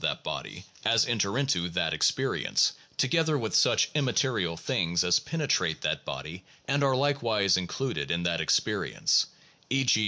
XXI that experience, together with such immaterial things as pene trate that body and are likewise included in that experience, e. g.